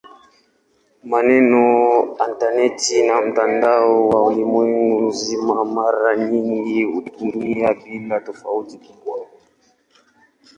Maneno "intaneti" na "mtandao wa ulimwengu mzima" mara nyingi hutumika bila tofauti kubwa.